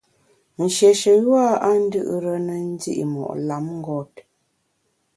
Nshéshe yua a ndù’re ne ndi’ mo’ lamngôt.